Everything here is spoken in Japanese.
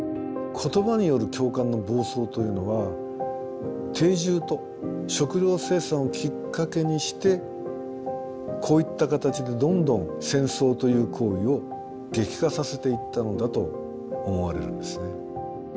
言葉による共感の暴走というのは定住と食料生産をきっかけにしてこういった形でどんどん戦争という行為を激化させていったのだと思われるんですね。